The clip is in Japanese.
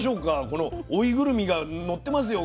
この追いぐるみがのってますよ